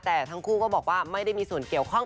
แต่ทั้งคู่ก็บอกว่าไม่ได้มีส่วนเกี่ยวข้อง